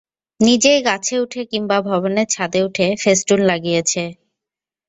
নিজেই গাছে উঠে কিংবা ভবনের ছাদে উঠে ফ্যাস্টুন লাগিয়েছে।